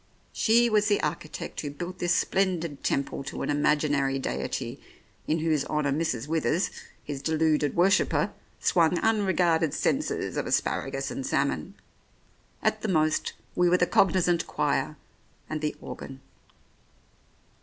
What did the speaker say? She was the architect who built this splendid temple to an imaginary deity in whose honour Mrs. Withers, his deluded worshipper, swung unregarded censers of asparagus and salmon ; at the most we were the cognisant choir and the organ.